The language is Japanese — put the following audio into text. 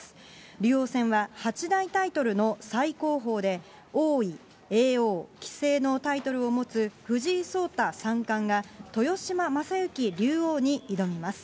竜王戦は八大タイトルの最高峰で、王位、叡王、棋聖のタイトルを持つ藤井聡太三冠が、豊島将之竜王に挑みます。